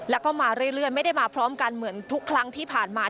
แล้วก็มาเรื่อยไม่ได้มาพร้อมกันเหมือนทุกครั้งที่ผ่านมา